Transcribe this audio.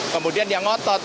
kemudian dia ngotot